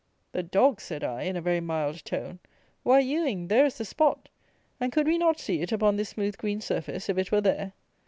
"The dog," said I, in a very mild tone, "why, Ewing, there is the spot; and could we not see it, upon this smooth green surface, if it were there?"